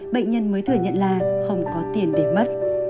bệnh nhân mới thừa nhận là không có tiền để mất